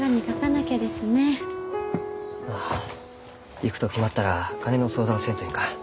行くと決まったら金の相談せんといかん。